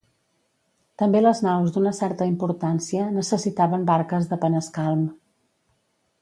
També les naus d’una certa importància necessitaven barques de panescalm.